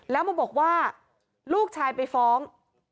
แล้วมาบอกว่าลูกชายไปฟ้อง